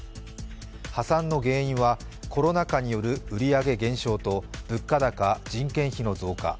破産の原因はコロナ禍による売上減少と物価高、人件費の増加。